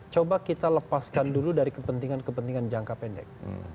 coba kita lepaskan dulu dari kepentingan kepentingan jangka pendek